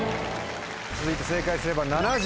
続いて正解すれば。